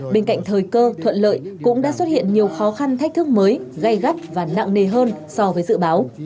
bên cạnh thời cơ thuận lợi cũng đã xuất hiện nhiều khó khăn thách thức mới gây gắt và nặng nề hơn so với dự báo